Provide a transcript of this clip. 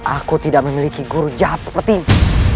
aku tidak memiliki guru jahat seperti ini